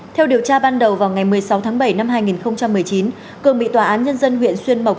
theo điều tra ban đầu vào ngày một mươi sáu tháng bảy năm hai nghìn một mươi chín cường bị tòa án nhân dân huyện xuyên mộc